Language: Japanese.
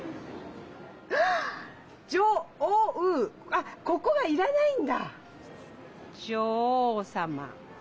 あっここがいらないんだ！